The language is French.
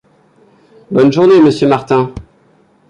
Bonne journée Monsieur Martin !